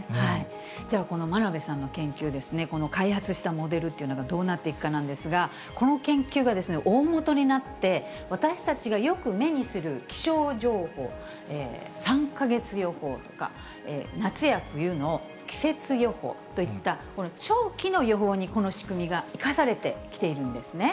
じゃあこの真鍋さんの研究、この開発したモデルというのがどうなっていくかなんですが、この研究が大本になって、私たちがよく目にする気象情報、３か月予報とか夏や冬の季節予報といった長期の予報にこの仕組みが生かされてきているんですね。